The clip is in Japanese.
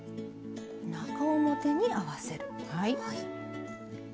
中表に合わせる。